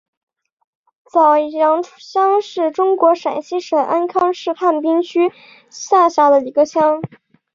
早阳乡是中国陕西省安康市汉滨区下辖的一个乡。